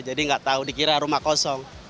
jadi gak tau dikira rumah kosong